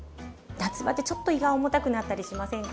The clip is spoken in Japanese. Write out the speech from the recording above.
夏場ってちょっと胃が重たくなったりしませんか？